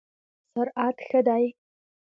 سرعت ښه دی؟